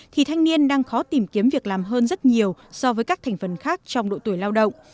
thì thanh niên đang khó tìm kiếm việc làm hơn rất nhiều so với các thành phần khác trong độ tuổi lao động